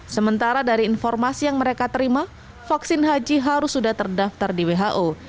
sementara dari informasi yang mereka terima vaksin haji harus sudah terdaftar di who